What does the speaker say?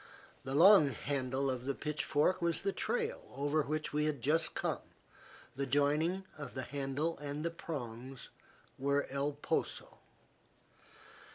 The long handle of the pitchfork was the trail over which we had just come, the joining of the handle and the prongs were El Poso.